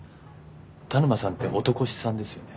田沼さんって男衆さんですよね。